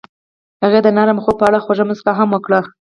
هغې د نرم خوب په اړه خوږه موسکا هم وکړه.